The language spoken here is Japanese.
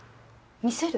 見せる？